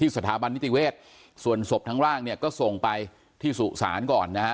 สถาบันนิติเวศส่วนศพทั้งร่างเนี่ยก็ส่งไปที่สุสานก่อนนะฮะ